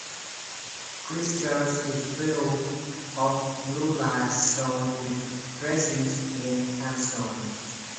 Christ Church is built of Blue Lias stone with dressings in Hamstone.